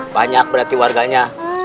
banyak berarti warganya